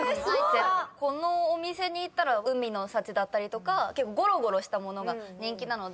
このお店に行ったら「海の幸」だったりとか結構ごろごろした物が人気なので。